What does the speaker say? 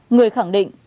người khẳng định